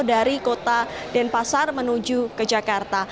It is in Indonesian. dari kota denpasar menuju ke jakarta